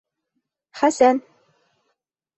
Хәсән.